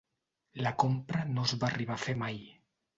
La compra no es va arribar a fer mai.